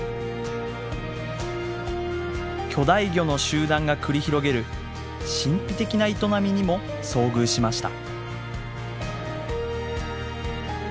巨大魚の集団が繰り広げる神秘的な営みにも遭遇しました。